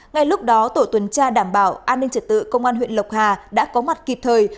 ngay lúc đó tổ tuần tra đảm bảo an ninh trật tự công an huyện lộc hà đã có mặt kịp thời